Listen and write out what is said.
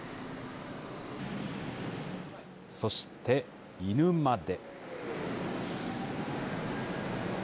そして、犬まで。